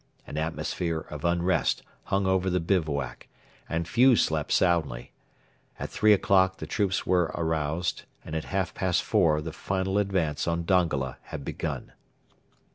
An atmosphere of unrest hung over the bivouac, and few slept soundly. At three o'clock the troops were aroused, and at half past four the final advance on Dongola had begun.